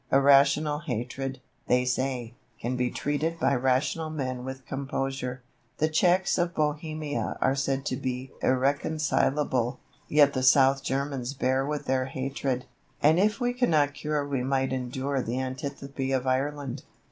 Irrational hatred, they say, can be treated by rational men with composure. The Czechs of Bohemia are said to be irreconcilable, yet the South Germans bear with their hatred; and if we cannot cure we might endure the antipathy of Ireland.